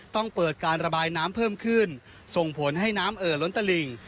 ต้องเปิดการระบายน้ำเพิ่มขึ้นส่งผลให้น้ำเอ่อล้นตะหลิ่ง